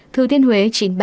thư thiên huế chín mươi ba